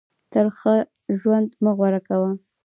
تل ښه ژوند مه غوره کوه.